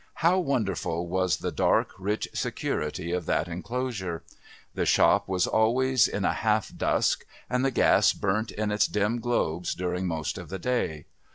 How wonderful was the dark rich security of that enclosure! The shop was always in a half dusk and the gas burnt in its dim globes during most of the day.